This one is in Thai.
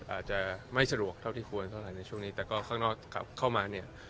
อาจจะไม่สะดวกเท่าที่ควรเท่าไหร่ในช่วงนี้แต่ก็ข้างนอกกลับเข้ามาเนี่ย